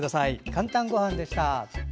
「かんたんごはん」でした。